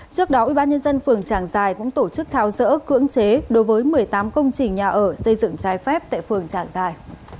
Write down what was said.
trước đó ubnd phường trảng giài cũng tổ chức thao dỡ cưỡng chế đối với một mươi tám công trình nhà ở xây dựng trái phép tại phường trảng giài